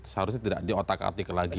seharusnya tidak diotak atik lagi